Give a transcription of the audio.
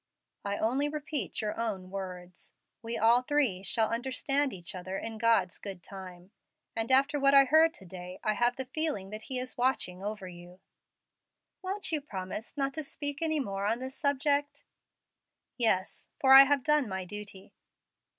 "I only repeat your own words, 'We all three shall understand each other in God's good time'; and after what I heard to day, I have the feeling that He is watching over you." "Won't you promise not to speak any more on this subject?" "Yes, for I have done my duty."